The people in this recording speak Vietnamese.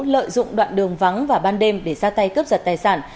lợi dụng đoạn đường vắng vào ban đêm để ra tay cướp giật tài sản